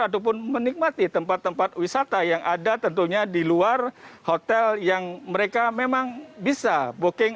ataupun menikmati tempat tempat wisata yang ada tentunya di luar hotel yang mereka memang bisa booking